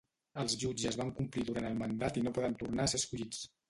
Els jutges van complir durant el mandat i no poden tornar a ser escollits.